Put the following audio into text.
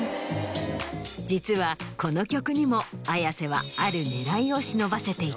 実はこの曲にもＡｙａｓｅはある狙いを忍ばせていた。